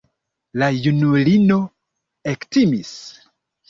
La junulino ektimis.